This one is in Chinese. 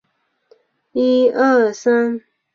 但无证件可证明她的年龄。